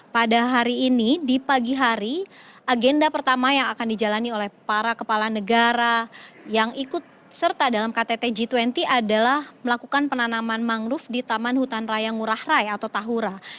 pada hari ini di pagi hari agenda pertama yang akan dijalani oleh para kepala negara yang ikut serta dalam ktt g dua puluh adalah melakukan penanaman mangrove di taman hutan raya ngurah rai atau tahura